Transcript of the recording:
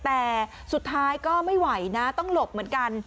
แต่สุดท้ายก็ไม่ไหวนะต้องหลบเหมือนกัน